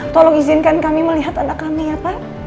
tolong izinkan kami melihat anak kami ya pak